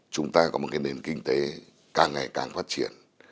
chúng ta có một cái nền kinh tế càng ngày càng phát triển